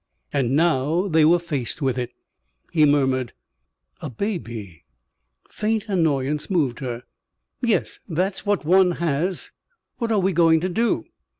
And now they were faced with it. He murmured: "A baby." Faint annoyance moved her. "Yes. That's what one has. What are we going to do?"